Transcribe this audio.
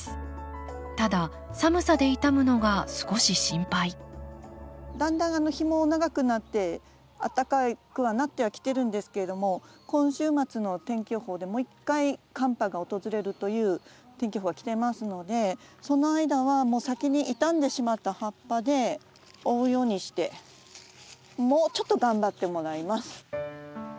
ただ寒さで傷むのが少し心配だんだん日も長くなってあったかくはなってはきてるんですけれども今週末の天気予報でもう一回寒波がおとずれるという天気予報はきてますのでその間は先に傷んでしまった葉っぱで覆うようにしてもうちょっと頑張ってもらいます。